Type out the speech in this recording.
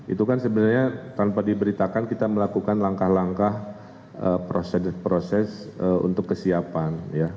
itu kan sebenarnya tanpa diberitakan kita melakukan langkah langkah proses proses untuk kesiapan